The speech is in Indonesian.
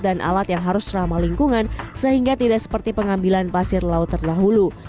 dan alat yang harus ramah lingkungan sehingga tidak seperti pengambilan pasir laut terdahulu